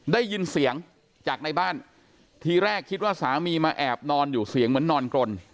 ได้ยินเสียงจากในบ้านทีแรกคิดว่าสามีมาแอบนอนอยู่เสียงเหมือนนอนกรน